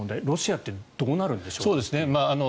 ロシアってどうなるんでしょう。